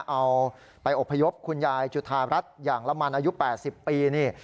เอาไปอบพยพคุณยายจุธารัฐอย่างละมันอายุ๘๐ปีนี่